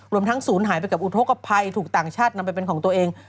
รวมทั้งศูนย์หายไปกับอุทธกภัยถูกต่างชาตินำไปเป็นของตัวเอง